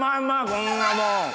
こんなもん。